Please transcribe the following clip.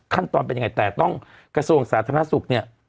ขั้นตอนเป็นยังไงแต่ต้องกระทรวงสาธารณสุขเนี่ย